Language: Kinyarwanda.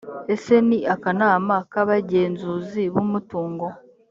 ese ni akanama k abagenzuzi bumutungo